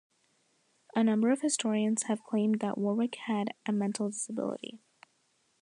A number of historians have claimed that Warwick had a mental disability.